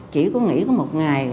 chỉ có nghỉ một ngày